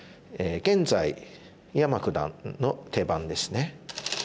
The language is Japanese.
現在井山九段の手番ですね。